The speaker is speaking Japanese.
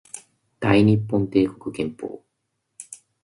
大日本帝国憲法